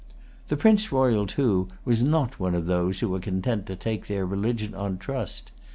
The Prince Royal, too, was not one of those who are content to take their religion on trust.